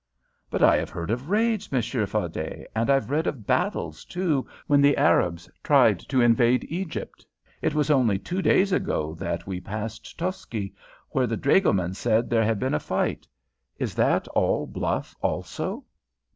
"But I have heard of raids, Monsieur Fardet, and I've read of battles, too, when the Arabs tried to invade Egypt. It was only two days ago that we passed Toski, where the dragoman said there had been a fight. Is that all bluff also?"